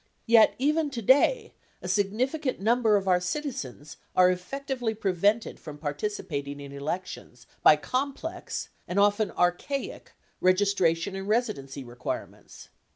Yet, even today, a significant number of our citizens are effectively pre vented from participating in elections by complex, and often archaic, registration and residency requirements.